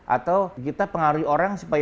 atau kita pengaruhi orang supaya